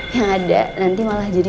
yang ada nanti malah jadi